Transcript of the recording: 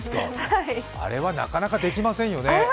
あれはなかなかできませんよね。